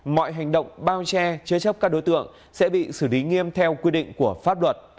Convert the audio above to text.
mọi hành động bao che chế chấp các đối tượng sẽ bị xử lý nghiêm theo quy định của pháp luật